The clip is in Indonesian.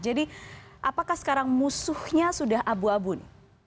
jadi apakah sekarang musuhnya sudah abu abun